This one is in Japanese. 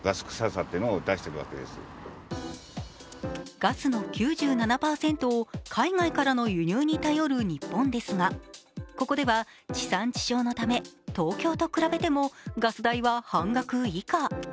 ガスの９７％を海外からの輸入に頼る日本ですがここでは地産地消のため、東京と比べてもガス代は半額以下。